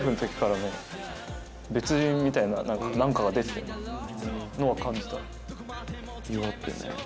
みたいな何かが出てたのは感じた。